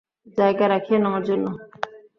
জায়গা রাখিয়েন আমার জন্য।